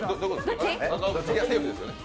セーフですよね？